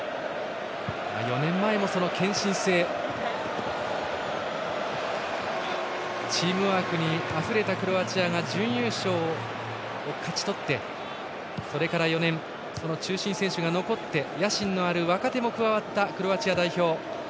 ４年前もその献身性チームワークにあふれたクロアチアが準優勝を勝ち取ってそれから４年その中心選手が残って野心のある若手も加わったクロアチア代表。